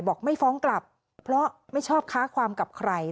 บอกไม่ฟ้องกลับเพราะไม่ชอบค้าความกับใคร